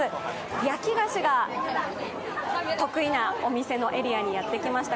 焼き菓子が得意なお店のエリアにやってきました。